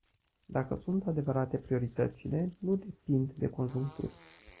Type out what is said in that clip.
Dacă sunt adevărate, prioritățile nu depind de conjuncturi.